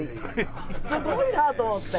すごいなと思って。